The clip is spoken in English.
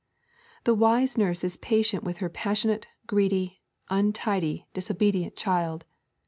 The wise nurse is patient with her passionate, greedy, untidy, disobedient child.